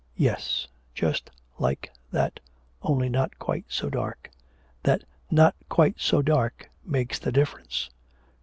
'Yes, just like that, only not quite so dark. That "not quite so dark" makes the difference.